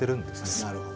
なるほど。